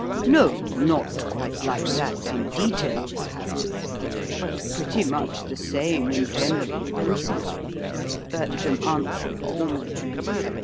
"No, not quite like that, in detail, perhaps, but pretty much the same in general principle," Bertram answered warmly.